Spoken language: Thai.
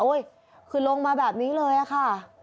โอ๊ยคือลงมาแบบนี้เลยค่ะ